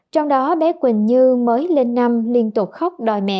trong đó bé quỳnh như mới lên năm liên tục khóc đòi mẹ